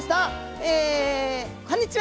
えこんにちは